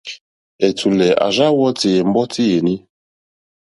Ɛ̀tùlɛ̀ à rzá wɔ́tì ɛ̀mbɔ́tí yèní.